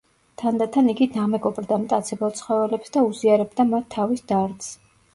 თანდათან იგი დამეგობრდა მტაცებელ ცხოველებს და უზიარებდა მათ თავის დარდს.